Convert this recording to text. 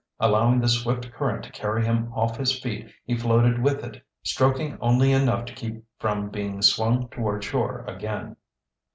Allowing the swift current to carry him off his feet he floated with it, stroking only enough to keep from being swung toward shore again.